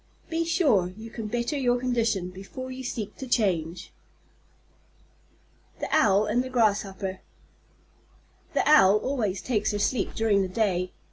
Be sure you can better your condition before you seek to change. THE OWL AND THE GRASSHOPPER The Owl always takes her sleep during the day.